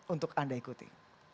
untuk anda ikuti